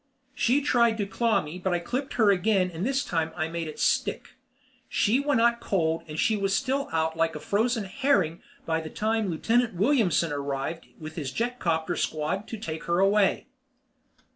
She tried to claw me but I clipped her again and this time I made it stick. She went out cold and she was still out like a frozen herring by the time Lieutenant Williamson arrived with his jetcopter squad to take her away.